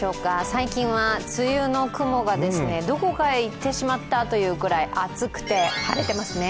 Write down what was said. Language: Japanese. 最近は、梅雨の雲がどこかへ行ってしまったというくらい暑くて、晴れていますね。